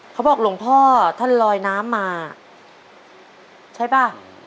หลวงพ่อท่านลอยน้ำมาใช่ป่ะ